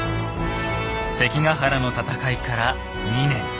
関ヶ原の戦いから２年。